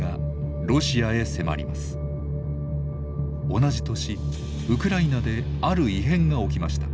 同じ年ウクライナである異変が起きました。